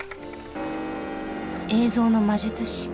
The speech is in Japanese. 「映像の魔術師」。